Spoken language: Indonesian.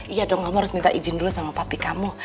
iya dong kamu harus minta izin dulu sama papi kamu